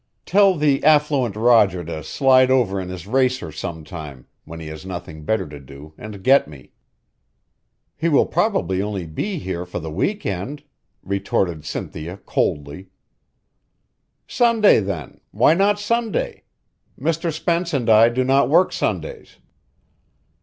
"Tell the affluent Roger to slide over in his racer sometime when he has nothing better to do and get me." "He will probably only be here for the week end," retorted Cynthia coldly. "Sunday, then; why not Sunday? Mr. Spence and I do not work Sundays."